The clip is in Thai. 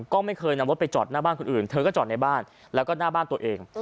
ก็ไม่เคยนำรถไปจอดหน้าบ้านคนอื่นเธอก็จอดในบ้านแล้วก็หน้าบ้านตัวเอง